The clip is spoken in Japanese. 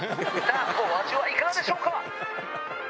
お味はいかがでしょうか？